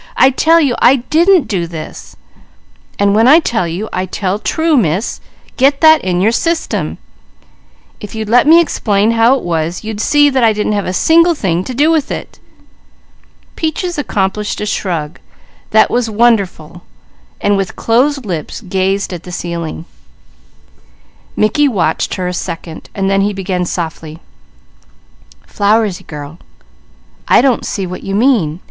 "I tell you I didn't do this, and when I tell you, I tell true, Miss, get that in your system. If you'd let me explain how it was, you'd see that I didn't have a single thing to do with it." Peaches accomplished a shrug that was wonderful, and gazed at the ceiling, her lips closed. Mickey watched her a second, then he began softly: "Flowersy girl, I don't see what you mean!